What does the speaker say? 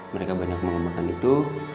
mereka banyak mengembangkan itu